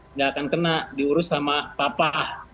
nggak akan kena diurus sama papa